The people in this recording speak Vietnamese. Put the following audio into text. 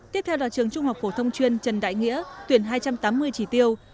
tiếp theo là trường trung học phổ thông chuyên trần đại nghĩa tuyển hai trăm tám mươi chỉ tiêu